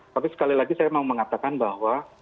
tapi sekali lagi saya mau mengatakan bahwa